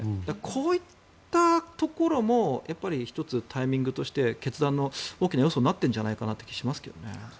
こういったところも１つ、タイミングとして決断の大きな要素になっている気がしますけどね。